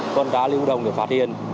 tuân trá lưu đồng được phát hiện